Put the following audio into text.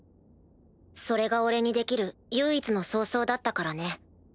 それが俺にできる唯一の葬送だったからね。